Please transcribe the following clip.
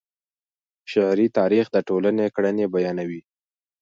شعري تاریخ د ټولني کړنې بیانوي.